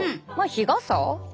日傘。